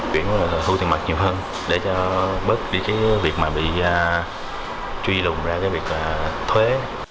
chuyển vào là thu tiền mặt nhiều hơn để cho bớt đi cái việc mà bị truy lùng ra cái việc là thuế